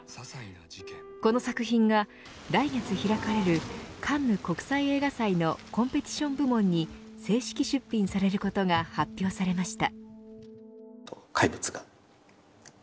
この作品が来月開かれるカンヌ国際映画祭のコンペティション部門に正式出品されることが発表されました。